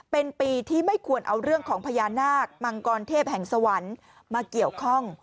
เป็นปีที่ไม่ควรเอาเรื่องของพญานาคมังกรเทพแห่งสวรรค์มาเกี่ยวข้อง